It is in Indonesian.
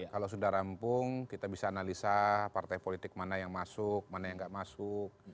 kalau sudah rampung kita bisa analisa partai politik mana yang masuk mana yang tidak masuk